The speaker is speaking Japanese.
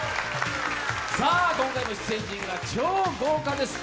今回も出演陣は超豪華です。